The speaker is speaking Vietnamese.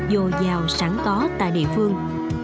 dồi dào sẵn có tại địa phương